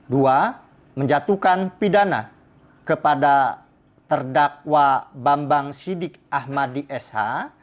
dua menjatuhkan pidana kepada terdakwa bambang sidik ahmadi sh